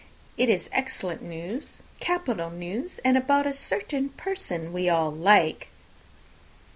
It is excellent news, capital news, and about a certain person that we all like."